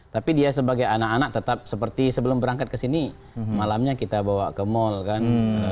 tapi dia sebagai anak anak tetap seperti sebelum berangkat ke sini malamnya kita bawa ke mall kan